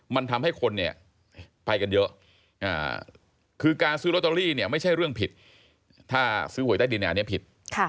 มันทำให้คนเนี่ยไปกันเยอะคือการซื้อลอตเตอรี่เนี่ยไม่ใช่เรื่องผิดถ้าซื้อหวยใต้ดินอันนี้ผิด